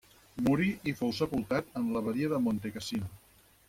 Morí i fou sepultat en l'Abadia de Montecassino.